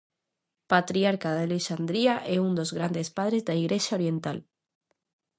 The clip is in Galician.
Patriarca de Alexandría e un dos grandes padres da Igrexa oriental.